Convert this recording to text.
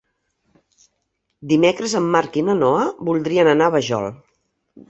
Dimecres en Marc i na Noa voldrien anar a la Vajol.